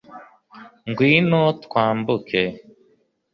ngwino twambuke